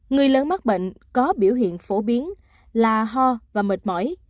người lớn mắc bệnh có biểu hiện phổ biến là ho và mệt mỏi